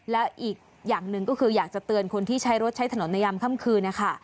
แล้วอีกอย่างหนึ่งก็คืออยากจะเตือนคนที่ใช้รถใช้ถนนในยามค่ำคืน